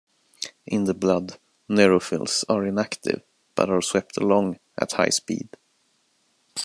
In the blood, neutrophils are inactive but are swept along at high speed.